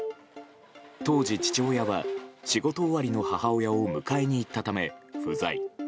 当時、父親は仕事終わりの母親を迎えに行ったため、不在。